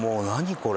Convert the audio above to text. これ。